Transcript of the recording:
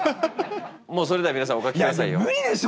もうそれでは皆さんお書きくださいよ。